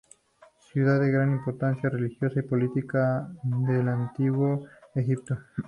Ciudad de gran importancia religiosa y política del antiguo Egipto.